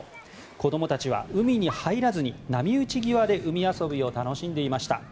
子供たちは海に入らずに波打ち際で海遊びを楽しんでいました。